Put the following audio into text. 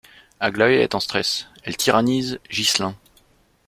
Aglaé est en stress, elle tyrannise Ghislain.